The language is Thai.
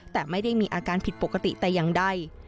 แต่ไม่ได้มีอาการผิดปกติแต่อย่างใด